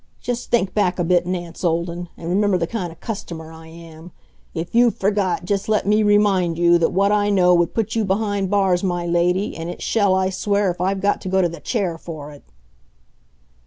Just think back a bit, Nance Olden, and remember the kind of customer I am. If you've forgot, just let me remind you that what I know would put you behind bars, my lady, and it shall, I swear, if I've got to go to the Chair for it!"